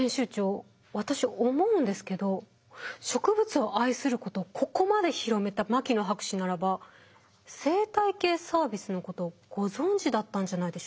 私思うんですけど植物を愛することをここまで広めた牧野博士ならば生態系サービスのことをご存じだったんじゃないでしょうか？